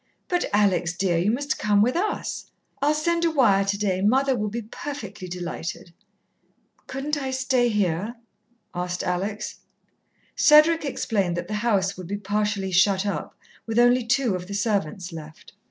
But, Alex, dear, you must come with us! I'll send a wire today mother will be perfectly delighted." "Couldn't I stay here?" asked Alex. Cedric explained that the house would be partially shut up, with only two of the servants left.